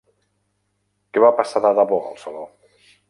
Què va passar de debò al saló?